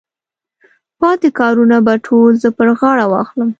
پاتې کارونه به ټول زه پر غاړه واخلم.